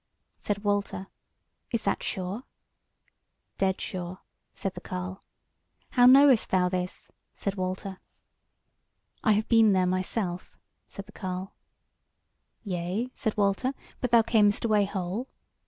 Said Walter: "Is that sure?" "Dead sure," said the carle. "How knowest thou this?" said Walter. "I have been there myself," said the carle. "Yea," said Walter, "but thou camest away whole."